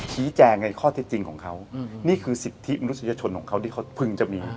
ชี้แจงในข้อเท็จจริงของเขานี่คือสิทธิมนุษยชนของเขาที่เขาพึงจะมี